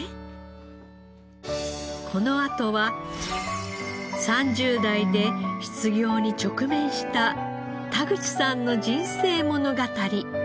このあとは３０代で失業に直面した田口さんの人生物語。